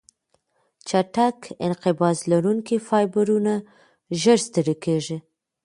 چټک انقباض لرونکي فایبرونه ژر ستړې کېږي.